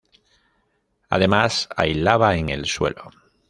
Además, hay lava en el suelo.